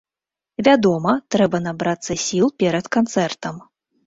Вядома, трэба набрацца сіл перад канцэртам.